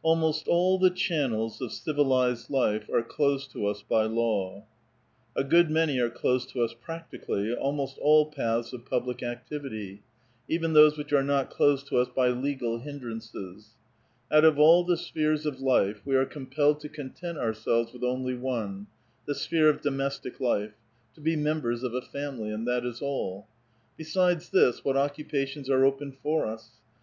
Almost all the channels of civilized life are closed tons by law.^ A good many are closed to us practically — almost all paths of public activity — even those which are not closed to us by legal hindrances. Out of all the spheres of life we are compelled to content ourselves with only one — the sphere of domestic life — to be members of a family ; and that is all. Besides this, what occupations are open for us ?